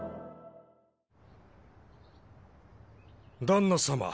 旦那様